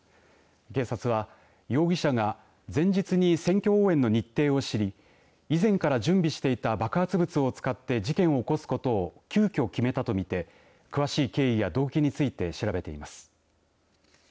警察は容疑者が前日に選挙応援の日程を知り以前から準備していた爆発物を使って事件を起こすことを急きょ決めたと見て詳しい経緯や動機について調べています。